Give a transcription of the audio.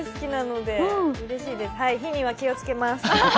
はい、火には気をつけます。